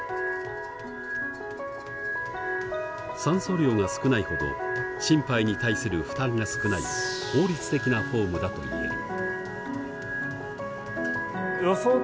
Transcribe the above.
酸素量が少ないほど心肺に対する負担が少ない効率的なフォームだと言える。